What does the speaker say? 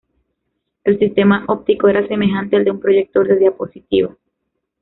El sistema óptico era semejante al de un proyector de diapositivas.